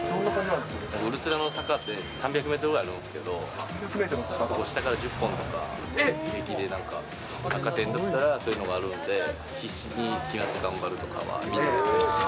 の坂って、３００メートルぐらいあるんですけど、下から１０本とか、平気でなんか、赤点だったらそういうのがあるんで、必死に期末頑張るとかは、みんなやってました。